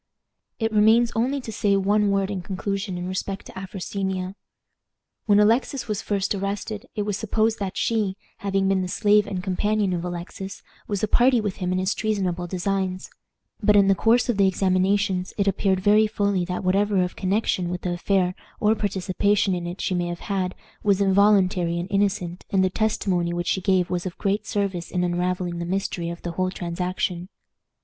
It remains only to say one word in conclusion in respect to Afrosinia. When Alexis was first arrested, it was supposed that she, having been the slave and companion of Alexis, was a party with him in his treasonable designs; but in the course of the examinations it appeared very fully that whatever of connection with the affair, or participation in it, she may have had, was involuntary and innocent, and the testimony which she gave was of great service in unraveling the mystery of the whole transaction.